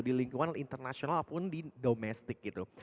di lingkungan international apun di domestic gitu